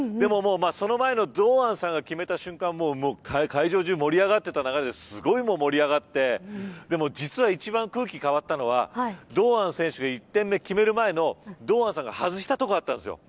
その前の堂安さんが決めたところは会場中が盛り上がっていた中ですごい盛り上がってでも実は、一番空気が変わったのは堂安選手が１点目、決める前の堂安さんが外したところがあったんです。